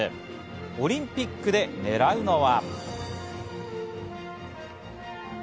オリンピックで狙うのは。